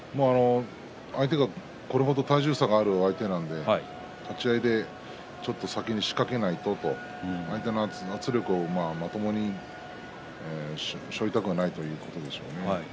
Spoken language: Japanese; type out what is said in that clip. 相手がこれ程体重差がある相手なので立ち合いで、ちょっと先に仕掛けないと相手の圧力を、まともに背負いたくはないということでしょうね。